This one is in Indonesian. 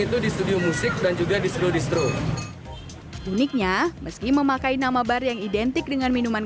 itu di studio musik dan juga distro distro uniknya meski memakai nama bar yang identik dengan minuman